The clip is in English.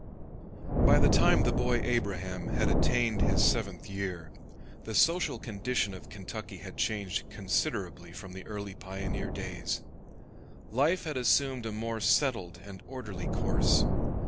] By the time the boy Abraham had attained his seventh year, the social condition of Kentucky had changed considerably from the early pioneer days. Life had assumed a more settled and orderly course.